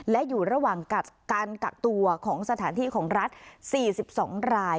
และอยู่ระหว่างการกักตัวของสถานที่ของรัฐ๔๒ราย